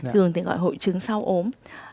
thường thì gọi hội chứng sau ốm